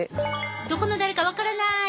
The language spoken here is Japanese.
どこの誰か分からない。